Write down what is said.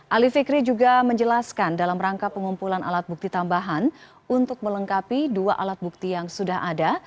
ali fikri juga menjelaskan dalam rangka pengumpulan alat bukti tambahan untuk melengkapi dua alat bukti yang sudah ada